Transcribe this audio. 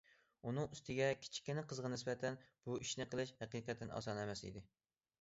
ئۇنىڭ ئۈستىگە كىچىككىنە قىزغا نىسبەتەن بۇ ئىشنى قىلىش ھەقىقەتەن ئاسان ئەمەس ئىدى.